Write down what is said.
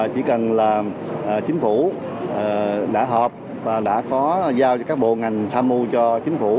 chỉ cần là chính phủ đã họp và đã có giao cho các bộ ngành tham mưu cho chính phủ